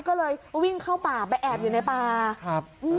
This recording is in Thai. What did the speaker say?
ก็เลยวิ่งเข้าป่าไปแอบอยู่ในป่าครับ